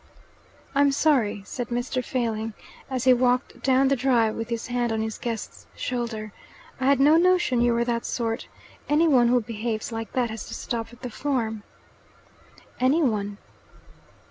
"I'm sorry," said Mr. Failing, as he walked down the drive with his hand on his guest's shoulder. "I had no notion you were that sort. Any one who behaves like that has to stop at the farm." "Any one?"